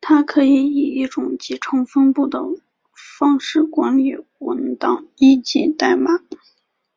它可以以一种集成分布的方式管理文档以及代码。